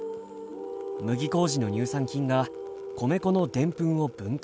麦麹の乳酸菌が米粉のでんぷんを分解。